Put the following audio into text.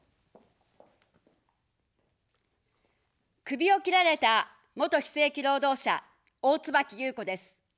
首を切られた元非正規労働者、大椿ゆうこです。